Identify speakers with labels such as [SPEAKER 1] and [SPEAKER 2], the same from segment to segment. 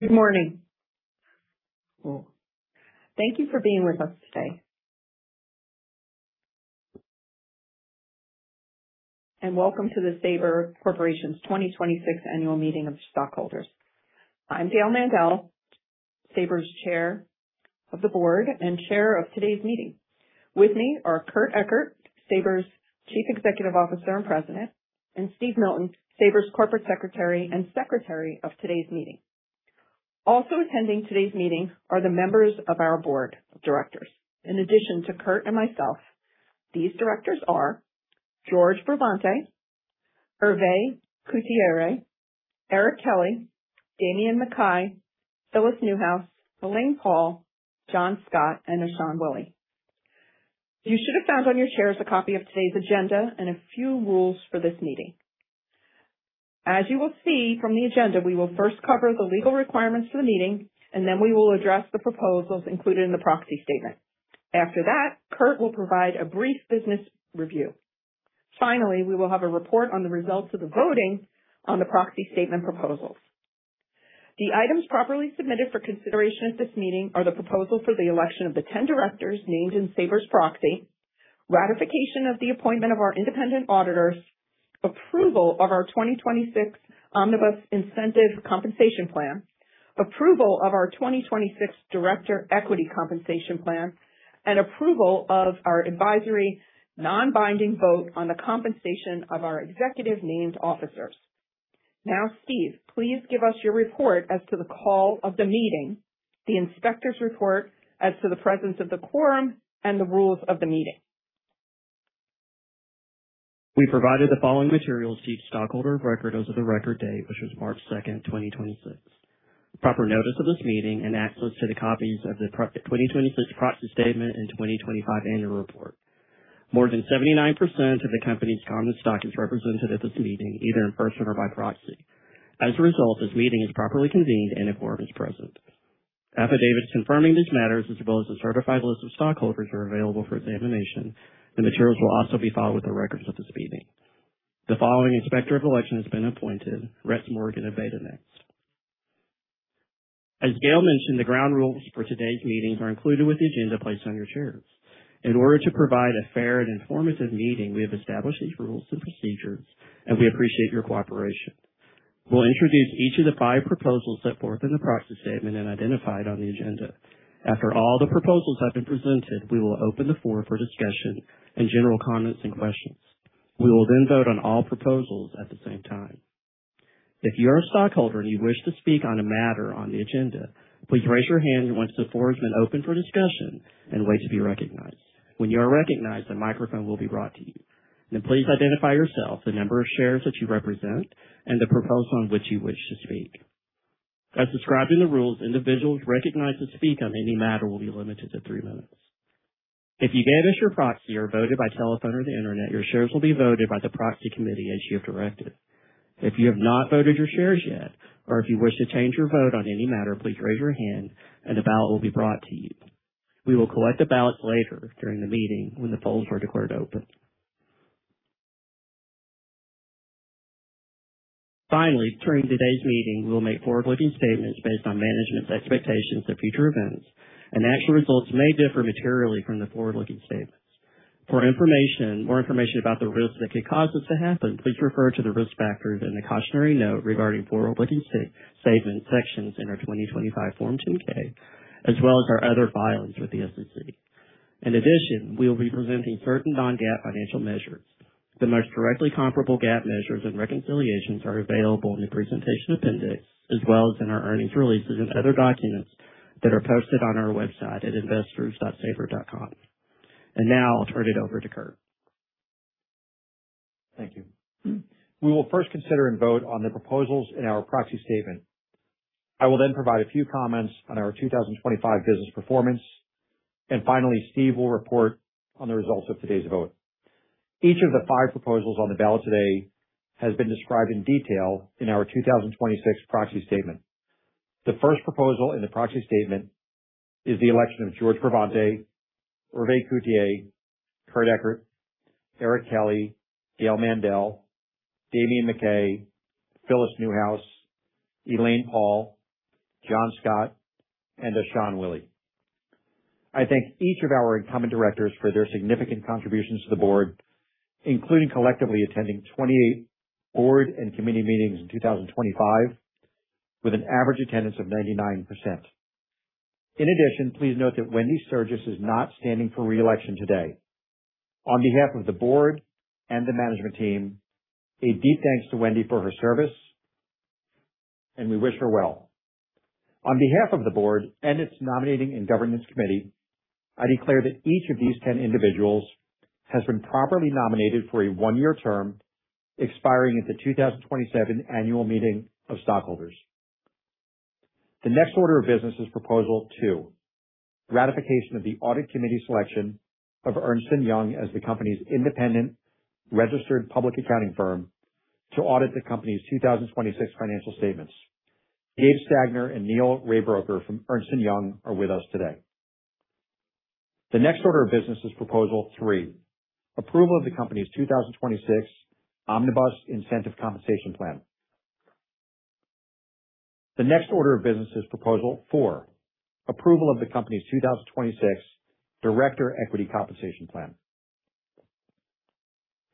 [SPEAKER 1] Good morning. Thank you for being with us today. Welcome to the Sabre Corporation's 2026 Annual Meeting of Stockholders. I'm Gail Mandel, Sabre's chair of the board and chair of today's meeting. With me are Kurt Ekert, Sabre's Chief Executive Officer and President, and Steve Milton, Sabre's Corporate Secretary and secretary of today's meeting. Also attending today's meeting are the members of our board of directors. In addition to Kurt and myself, these directors are George Bravante, Hervé Couturier, Eric Kelly, Damian McKay, Phyllis Newhouse, Elaine Paul, John Scott, and Ashan Willy. You should have found on your chairs a copy of today's agenda and a few rules for this meeting. As you will see from the agenda, we will first cover the legal requirements for the meeting, and then we will address the proposals included in the proxy statement. After that, Kurt will provide a brief business review. Finally, we will have a report on the results of the voting on the proxy statement proposals. The items properly submitted for consideration at this meeting are the proposal for the election of the 10 directors named in Sabre's proxy, ratification of the appointment of our independent auditors, approval of our 2026 Omnibus Incentive Compensation Plan, approval of our 2026 Director Equity Compensation Plan, and approval of our advisory non-binding vote on the compensation of our executive named officers. Now, Steve, please give us your report as to the call of the meeting, the inspector's report as to the presence of the quorum, and the rules of the meeting.
[SPEAKER 2] We provided the following materials to each stockholder of record as of the record date, which was March 2, 2026. Proper notice of this meeting and access to the copies of the 2026 proxy statement and 2025 annual report. More than 79% of the company's common stock is represented at this meeting, either in person or by proxy. This meeting is properly convened and a quorum is present. Affidavits confirming these matters, as well as the certified list of stockholders, are available for examination. The materials will also be filed with the records of this meeting. The following Inspector of Election has been appointed, Rex Morgana of Voternext. As Gail mentioned, the ground rules for today's meeting are included with the agenda placed on your chairs. In order to provide a fair and informative meeting, we have established these rules and procedures, and we appreciate your cooperation. We'll introduce each of the five proposals set forth in the proxy statement and identified on the agenda. After all the proposals have been presented, we will open the floor for discussion and general comments and questions. We will vote on all proposals at the same time. If you're a stockholder and you wish to speak on a matter on the agenda, please raise your hand once the floor has been opened for discussion and wait to be recognized. When you are recognized, a microphone will be brought to you. Please identify yourself, the number of shares that you represent, and the proposal on which you wish to speak. As described in the rules, individuals recognized to speak on any matter will be limited to three minutes. If you gave us your proxy or voted by telephone or the Internet, your shares will be voted by the proxy committee as you have directed. If you have not voted your shares yet, or if you wish to change your vote on any matter, please raise your hand and a ballot will be brought to you. We will collect the ballots later during the meeting when the polls are declared open. Finally, during today's meeting, we will make forward-looking statements based on management's expectations of future events, and actual results may differ materially from the forward-looking statements. More information about the risks that could cause this to happen, please refer to the risk factors and the cautionary note regarding forward-looking statements sections in our 2025 Form 10-K, as well as our other filings with the SEC. In addition, we will be presenting certain non-GAAP financial measures. The most directly comparable GAAP measures and reconciliations are available in the presentation appendix, as well as in our earnings releases and other documents that are posted on our website at investors.sabre.com. Now I'll turn it over to Kurt.
[SPEAKER 3] Thank you. We will first consider and vote on the proposals in our proxy statement. I will then provide a few comments on our 2025 business performance. Finally, Steve will report on the results of today's vote. Each of the five proposals on the ballot today has been described in detail in our 2026 proxy statement. The first proposal in the proxy statement is the election of George Bravante, Hervé Couturier, Kurt Ekert, Eric Kelly, Gail Mandel, Damian McKay, Phyllis Newhouse, Elaine Paul, John Scott, and Ashan Willy. I thank each of our incumbent directors for their significant contributions to the board, including collectively attending 28 board and committee meetings in 2025 with an average attendance of 99%. In addition, please note that Wendi Sturgis is not standing for re-election today. On behalf of the board and the management team, a deep thanks to Wendy for her service, and we wish her well. On behalf of the board and its nominating and governance committee, I declare that each of these ten individuals has been properly nominated for a one-year term expiring at the 2027 annual meeting of stockholders. The next order of business is Proposal Two: Ratification of the Audit Committee selection of Ernst & Young as the company's independent registered public accounting firm to audit the company's 2026 financial statements. Dave Stagner and Neil Raybrooker from Ernst & Young are with us today. The next order of business is Proposal Three: Approval of the company's 2026 Omnibus Incentive Compensation Plan. The next order of business is Proposal Four: Approval of the company's 2026 Director Equity Compensation Plan.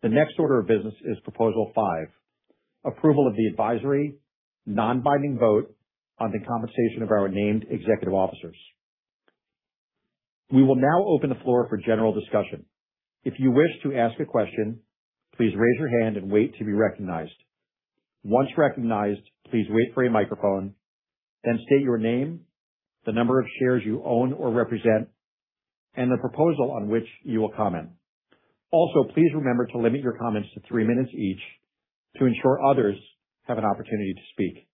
[SPEAKER 3] The next order of business is Proposal Five: Approval of the advisory, non-binding vote on the compensation of our named executive officers. We will now open the floor for general discussion. If you wish to ask a question, please raise your hand and wait to be recognized. Once recognized, please wait for a microphone, state your name, the number of shares you own or represent, and the proposal on which you will comment. Please remember to limit your comments to three minutes each to ensure others have an opportunity to speak.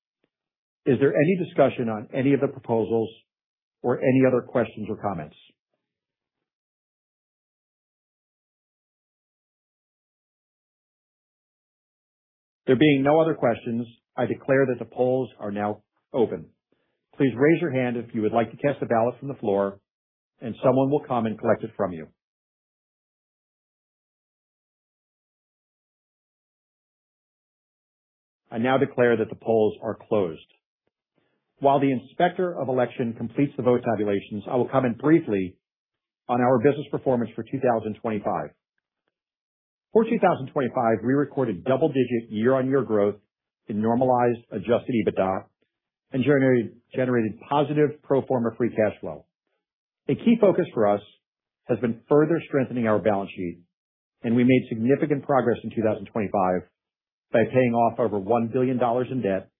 [SPEAKER 3] Is there any discussion on any of the proposals or any other questions or comments? There being no other questions, I declare that the polls are now open. Please raise your hand if you would like to cast a ballot from the floor, someone will come and collect it from you. I now declare that the polls are closed. While the Inspector of Election completes the vote tabulations, I will comment briefly on our business performance for 2025. For 2025, we recorded double-digit year-on-year growth in normalized adjusted EBITDA and generated positive pro forma free cash flow. A key focus for us has been further strengthening our balance sheet, and we made significant progress in 2025 by paying off over $1 billion in debt,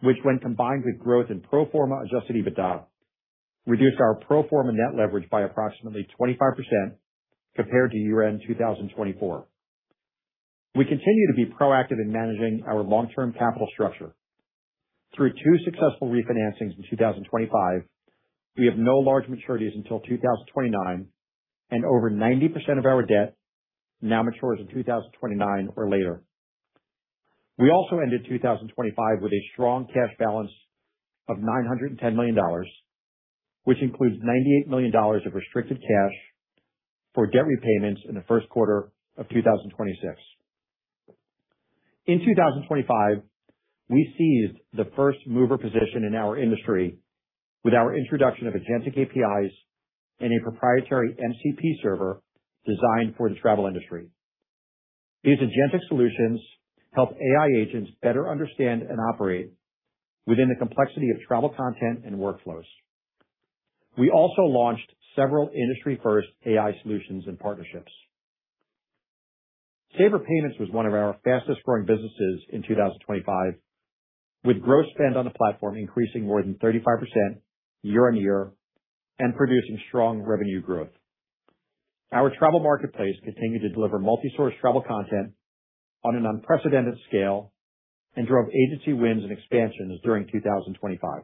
[SPEAKER 3] which when combined with growth in pro forma adjusted EBITDA, reduced our pro forma net leverage by approximately 25% compared to year-end 2024. We continue to be proactive in managing our long-term capital structure. Through two successful refinancing in 2025, we have no large maturities until 2029, and over 90% of our debt now matures in 2029 or later. We also ended 2025 with a strong cash balance of $910 million, which includes $98 million of restricted cash for debt repayments in the first quarter of 2026. In 2025, we seized the first-mover position in our industry with our introduction of agentic APIs and a proprietary MCP server designed for the travel industry. These agentic solutions help AI agents better understand and operate within the complexity of travel content and workflows. We also launched several industry-first AI solutions and partnerships. Sabre Payments was one of our fastest-growing businesses in 2025, with gross spend on the platform increasing more than 35% year-on-year and producing strong revenue growth. Our travel marketplace continued to deliver multi-source travel content on an unprecedented scale and drove agency wins and expansions during 2025.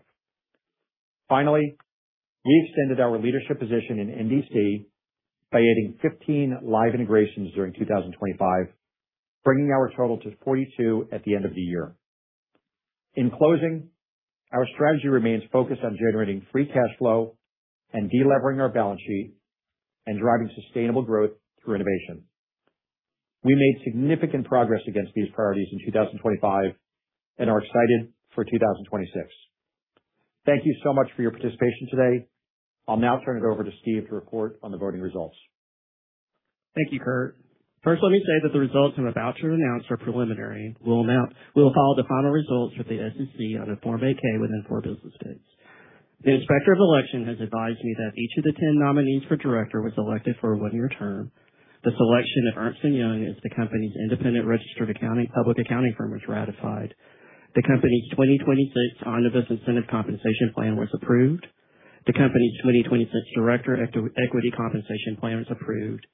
[SPEAKER 3] Finally, we extended our leadership position in NDC by adding 15 live integrations during 2025, bringing our total to 42 at the end of the year. In closing, our strategy remains focused on generating free cash flow and de-levering our balance sheet and driving sustainable growth through innovation. We made significant progress against these priorities in 2025 and are excited for 2026. Thank you so much for your participation today. I'll now turn it over to Steve to report on the voting results.
[SPEAKER 2] Thank you, Kurt. First, let me say that the results I'm about to announce are preliminary. We'll follow the final results with the SEC on a Form 8-K within four business days. The Inspector of Election has advised me that each of the 10 nominees for director was elected for a one-year term. The selection of Ernst & Young as the company's independent registered public accounting firm was ratified. The company's 2026 Omnibus Incentive Compensation Plan was approved. The company's 2026 Director Equity Compensation Plan was approved,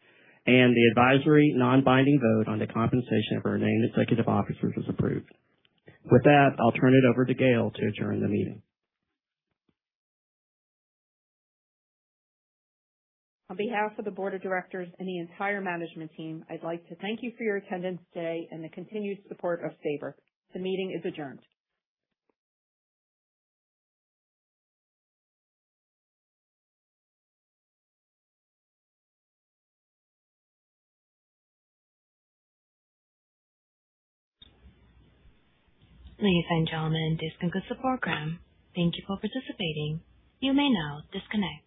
[SPEAKER 2] and the advisory, non-binding vote on the compensation of our named executive officers was approved. With that, I'll turn it over to Gail to adjourn the meeting.
[SPEAKER 1] On behalf of the board of directors and the entire management team, I'd like to thank you for your attendance today and the continued support of Sabre. The meeting is adjourned.
[SPEAKER 4] Ladies and gentlemen, this concludes the program. Thank you for participating. You may now disconnect.